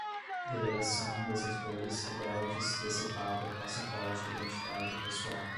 delegação, desertores, rebeldes, decepada, passaporte, identidade, pessoal